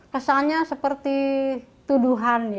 kesannya seperti tuduhan